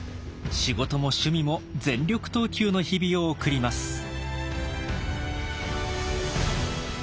仕事も趣味も全力投球の日々を送ります。